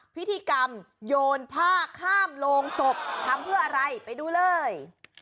พิธีกรรมโยนผ้าข้ามโรงศพทำเพื่ออะไรไปดูเลย